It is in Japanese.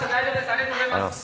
ありがとうございます。